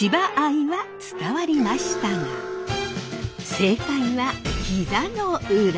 正解はひざの裏。